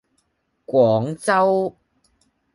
廣州